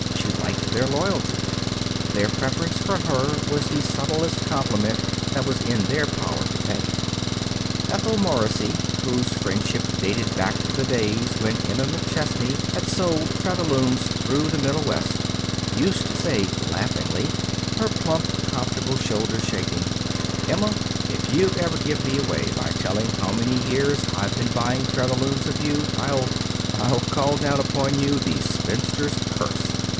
She liked their loyalty. Their preference for her was the subtlest compliment that was in their power to pay. Ethel Morrissey, whose friendship dated back to the days when Emma McChesney had sold Featherlooms through the Middle West, used to say laughingly, her plump, comfortable shoulders shaking, "Emma, if you ever give me away by telling how many years I've been buying Featherlooms of you, I'll I'll call down upon you the spinster's curse."